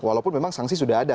walaupun memang sanksi sudah ada